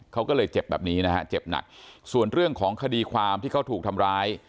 เขาก็เลยเจ็บแบบนี้นะฮะเจ็บหนักส่วนเรื่องของคดีความที่เขาถูกทำร้าย